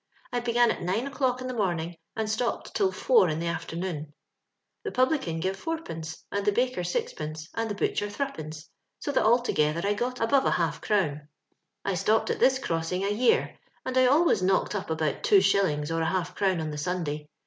I began at nine o'clock in the morning and stopped till four in the after noon. The publican g^ve fourpence, and the baker sixpence, and t^e butcher threepence, 60 that altogether I got above a half crown. I stopped at this crossing a year, and I always knocked up about two shillings or a half crown on the Sunday.